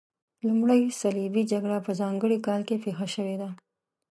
لومړۍ صلیبي جګړه په ځانګړي کال کې پیښه شوې ده.